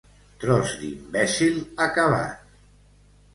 Tros d'imbècil acabat.